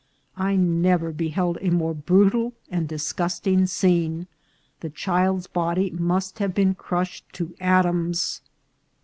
I never beheld a more brutal and dis gusting scene. The child's body must have been crushed to atoms.